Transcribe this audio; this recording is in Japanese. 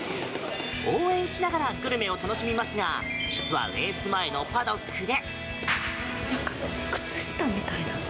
応援しながらグルメを楽しみますが実はレース前のパドックで。